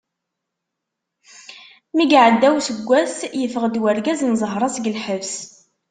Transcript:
Mi iɛedda useggas, yeffeɣ-d urgaz n zahra seg lḥebs.